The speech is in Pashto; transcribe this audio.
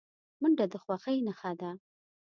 منډه د خوښۍ نښه ده